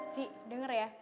si denger ya